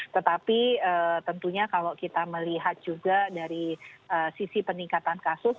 tetapi tentunya kalau kita melihat juga dari sisi peningkatan kasus